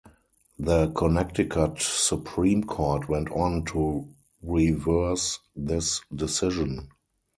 The Connecticut Supreme Court went on to reverse this decision.